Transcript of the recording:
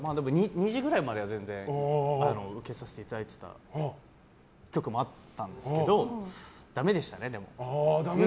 ２次くらいまでは全然受けさせていただいてた局もあったんですけどダメでしたね、でも。